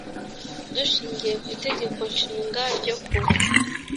dushingiye ku itegeko nshinga ryo kuwa